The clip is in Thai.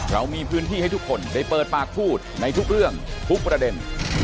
เรามีพื้นที่ให้ทุกคนได้เปิดปากพูดในทุกเรื่องทุกประเด็น